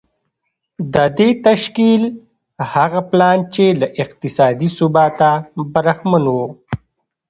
د دې تشکيل هغه پلان چې له اقتصادي ثباته برخمن و.